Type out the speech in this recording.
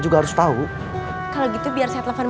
nunggoh balik architect young menato